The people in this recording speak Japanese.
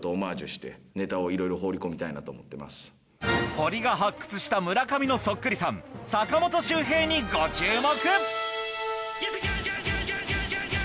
ホリが発掘した村上のそっくりさん坂本周平にご注目